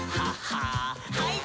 はい。